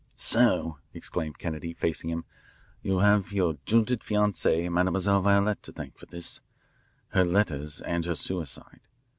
"So," exclaimed Kennedy, facing him, "you have your jilted fiancee, Mademoiselle Violette, to thank for this her letters and her suicide.